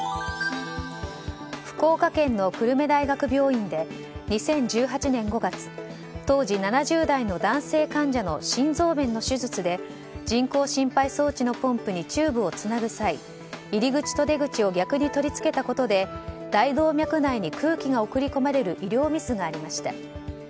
福岡県の久留米大学病院で２０１８年５月当時７０代の男性患者の心臓弁の手術で人工心肺装置のポンプにチューブをつなぐ際入り口と出口を逆に取り付けたことで大動脈内に空気が送り込まれる医療ミスがありました。